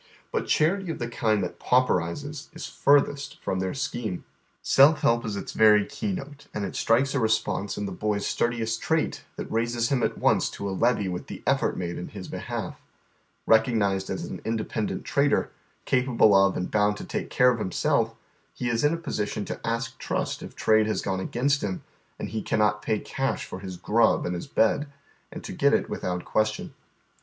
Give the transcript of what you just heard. But charity of the kind that pauperizes is furthest from their scheme. Self help is its very key note, and it strikes a response in the boy's stui diest trait that raises iiiin at once to a leve! with the effort made in his behalf. Recognized as an in dependent trader, capable of and bound to take care of himself, he is in a position to ask trust if trade has gone against him and he cannot pay cash for his " grnb " and his bed, and to get it without question.